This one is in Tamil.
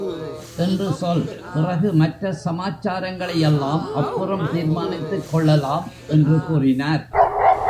என்று சொல் பிறகு மற்ற சமாச்சாரங்களையெல்லாம் அப்புறம் தீர்மானித்துக் கொள்ளலாம்? என்று கூறினார்.